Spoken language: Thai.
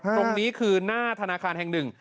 ตรงนี้คือหน้าธนาคารแห่ง๑